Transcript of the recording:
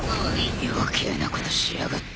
余計なことしやがって。